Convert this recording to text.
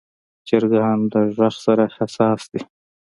چرګان د غږ سره حساس دي.